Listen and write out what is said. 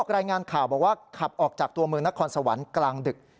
รายงานข่าวบอกว่าขับออกจากตัวเมืองนครสวรรค์กลางดึก